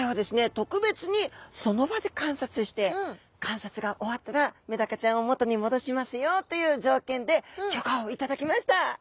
特別にその場で観察して観察が終わったらメダカちゃんを元に戻しますよという条件で許可をいただきました！